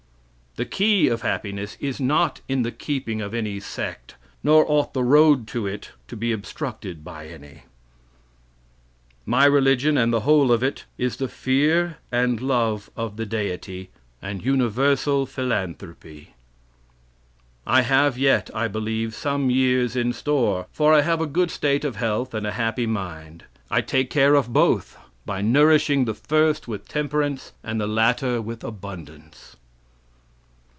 "The key of happiness is not in the keeping of any sect, nor ought the road to it to be obstructed by any. "My religion, and the whole of it, is the fear and love of the Deity, and universal philanthropy. "I have yet, I believe, some years in store, for I have a good state of health and a happy mind. I take care of both, by nourishing the first with temperance and the latter with abundance.